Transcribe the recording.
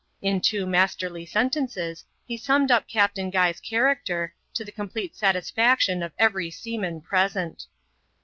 In two masterly sentences he summed up Captain Guy's character, to the com* plete satisfaction of every seaman present.